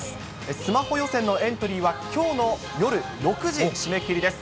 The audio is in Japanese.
スマホ予選のエントリーは、きょうの夜６時、締め切りです。